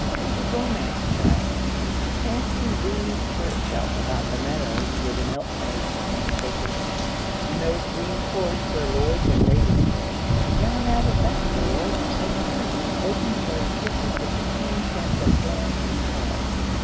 To the romance child fancy weaves for itself about the meadows where the milkmaids stand thick and pale, and those green courts where lords and ladies live, Jan added that world of pleasure open to those gifted with a keen sense of form and color.